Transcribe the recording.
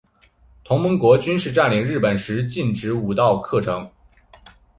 同盟国军事占领日本时禁止武道课程。